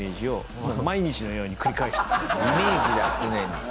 イメージだ常に。